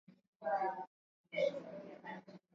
mashindano ya voliboli ya wanawake ya dunia yanaendelea huko